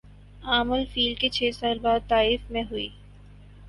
عام الفیل کے چھ سال بعد طائف میں ہوئی